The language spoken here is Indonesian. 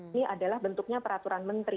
ini adalah bentuknya peraturan menteri